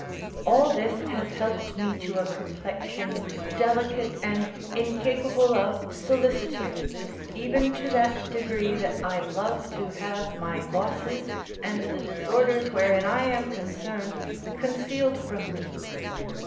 All this has helped me to a complexion delicate and incapable of solicitude, even to that degree that I love to have my losses and the disorders wherein I am concerned, concealed from me.